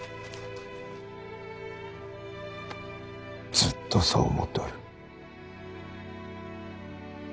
ずっとそう思っておる。